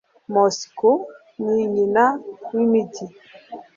Moscou - ni nyina w'imijyi.